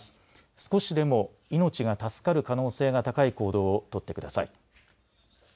少しでも命が助かる可能性が高い行動を取ってください。